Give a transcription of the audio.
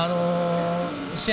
試合